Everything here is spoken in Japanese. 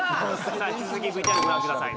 さあ引き続きＶＴＲご覧ください